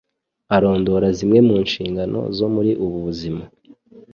arondora zimwe mu nshingano zo muri ubu buzima.